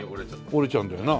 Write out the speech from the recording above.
折れちゃうんだよな。